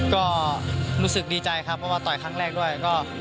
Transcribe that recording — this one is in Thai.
ก็รู้สึกดีใจครับเพราะว่าต่อยครั้งแรกด้วยก็